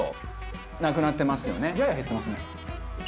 やや減ってますね。